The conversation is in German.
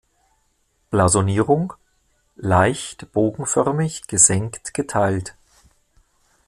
Blasonierung: „Leicht bogenförmig gesenkt geteilt.